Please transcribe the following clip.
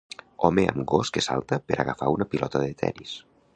Home amb gos que salta per agafar una pilota de tennis